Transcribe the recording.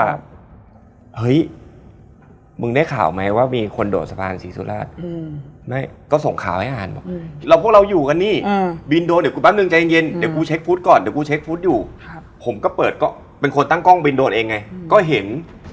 อะไรใครต้องการอะไรไม่เคยขอชัดขนาดนี้มาก่อน